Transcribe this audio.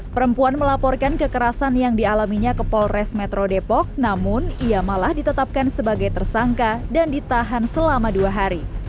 perempuan melaporkan kekerasan yang dialaminya ke polres metro depok namun ia malah ditetapkan sebagai tersangka dan ditahan selama dua hari